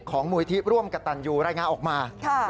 มูลที่ร่วมกับตันยูรายงานออกมา